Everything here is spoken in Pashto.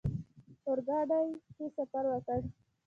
اورګاډي کې سفر وکړ.